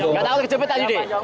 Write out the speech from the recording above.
enggak tahu kejepit lagi deh